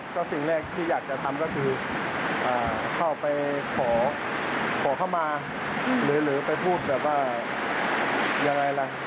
ก็สิ่งแรกที่อยากจะทำก็คือเข้าไปขอเข้ามาหรือไปพูดแบบว่ายังไงล่ะ